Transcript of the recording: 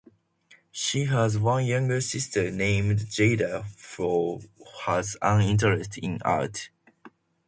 She has one younger sister named Jayda who has an interest in art.